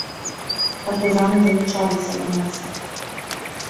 Партызаны далучаліся да нас.